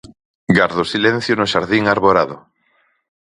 Gardo silencio no xardín arborado.